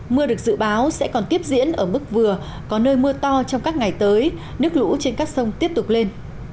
mưa được dự báo sẽ còn tiếp diễn ở mức vừa có nơi mưa to trong các ngày tới nước lũ trên các sông tiếp tục lên